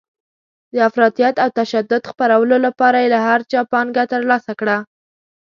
د افراطیت او تشدد خپرولو لپاره یې له هر چا پانګه ترلاسه کړه.